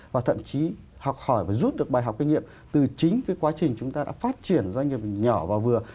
và thậm chí học hỏi và rút được bài học kinh nghiệm từ chính cái quá trình chúng ta đã phát triển doanh nghiệp nhỏ và vừa